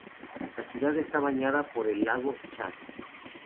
La ciudad está bañada por el lago Chad.